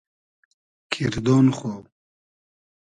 کیردۉن خو